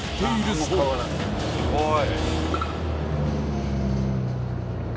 すごい。